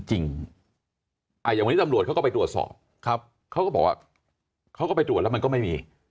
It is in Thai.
อย่างนี้ตำรวจเขาก็ไปตรวจสอบครับเขาก็บอกว่าเขาก็ไปตรวจแล้วมันก็ไม่มี